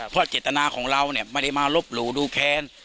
เพราะเจตนาของเราเนี่ยไม่ได้มาลบหลู่ดูแค้น